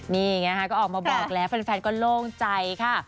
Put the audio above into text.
นี่ไงฮะก็ออกมาบอกแล้วแฟนก็โล่งใจค่ะ